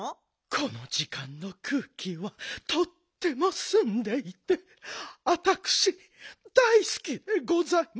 このじかんのくうきはとってもすんでいてあたくし大すきでございますのよ。